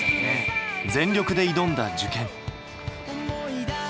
全力で挑んだ受験。